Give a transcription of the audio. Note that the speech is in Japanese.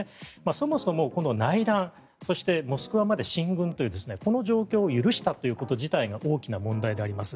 そもそも、この内乱そしてモスクワまで進軍というこの状況を許したこと自体が大きな問題であります。